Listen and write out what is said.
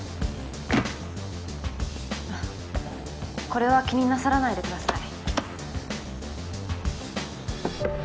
これは気になさらないでください。